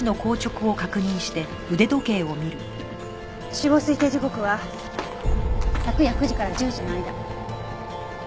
死亡推定時刻は昨夜９時から１０時の間。